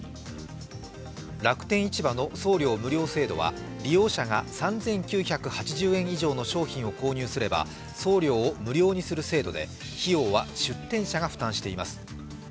楽天市場の送料無料制度は利用者が３９８０円以上の商品を購入すれば送料を無料にする制度で費用は出店者が負担しています。